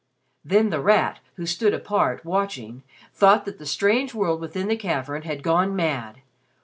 Then The Rat, who stood apart, watching, thought that the strange world within the cavern had gone mad!